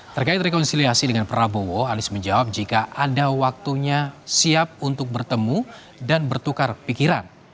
terkait rekonsiliasi dengan prabowo anies menjawab jika ada waktunya siap untuk bertemu dan bertukar pikiran